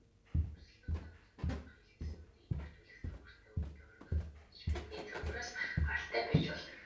Өрсөлдөөн байгууллын доторх хэлтсүүдийг идэвхжүүлэх загвартай үедээ органик менежментийн загвараас гаралтай байж болно.